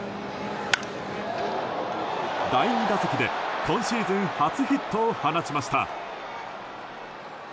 第２打席で今シーズン初ヒットを放ちました。